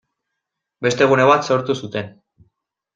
Beste gune bat sortu zuten.